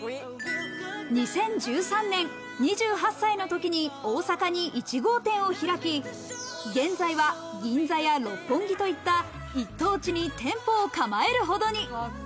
２０１３年、２８歳の時に大阪に１号店を開き、現在は銀座や六本木といった一等地に店舗を構えるほどに。